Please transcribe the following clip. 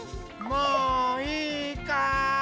もういいかい？